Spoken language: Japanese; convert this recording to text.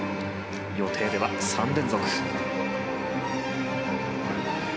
予定では３連続。